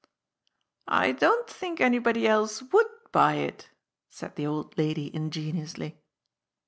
"I don't think anybody else would buy it," said the old lady ingenuously.